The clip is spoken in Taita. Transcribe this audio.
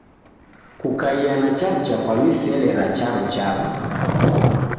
Kukaia na chaw'ucha kwa misele ra charo chako.